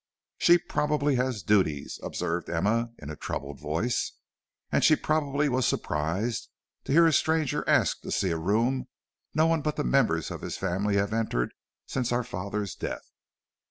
"She probably has duties," observed Emma, in a troubled voice. "And she probably was surprised to hear a stranger ask to see a room no one but the members of his family have entered since our father's death."